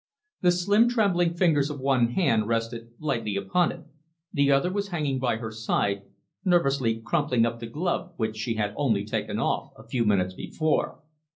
The slim trembling fingers of one hand rested lightly upon it, the other was hanging by her side, nervously crumpling up the glove which she had only taken off a few minutes before.